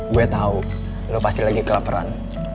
gue tau lo pasti lagi kelaparan